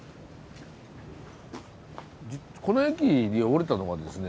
この駅で降りたのはですね